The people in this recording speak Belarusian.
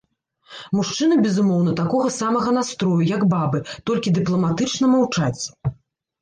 Мужчыны, безумоўна, такога самага настрою, як бабы, толькі дыпламатычна маўчаць.